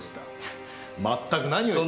全く何を！